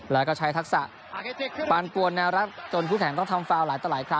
แล้วก็ใช้ทักษะปานกวนนรับจนคุณแข่งต้องทำ